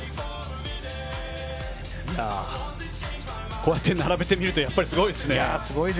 こうやって並べてみるとすごいですね。